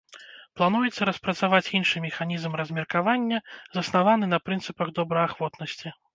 Плануецца распрацаваць іншы механізм размеркавання, заснаваны на прынцыпах добраахвотнасці.